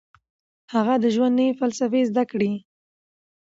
هغه د ژوند نوې فلسفه زده کړه.